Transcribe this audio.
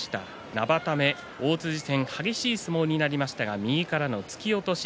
生田目、大辻戦激しい相撲になりましたが右からの突き落とし。